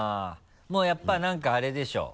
もうやっぱ何かあれでしょ？